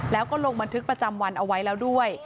แล้วก็ลงบันทึกประจำวันเอาไว้แล้วด้วย